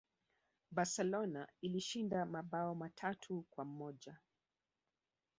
Barcelona ilishinda mabao matatu kwa moja